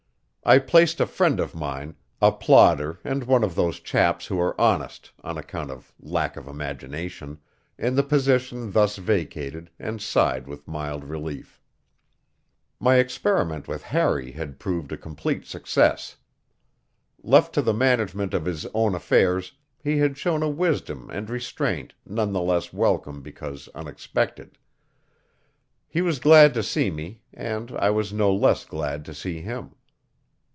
I placed a friend of mine, a plodder and one of those chaps who are honest on account of lack of imagination, in the position thus vacated and sighed with mild relief. My experiment with Harry had proved a complete success. Left to the management of his own affairs, he had shown a wisdom and restraint none the less welcome because unexpected. He was glad to see me, and I was no less glad to see him.